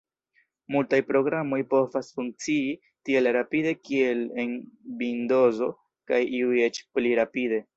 Multaj programoj povas funkcii tiel rapide kiel en Vindozo, kaj iuj eĉ pli rapide.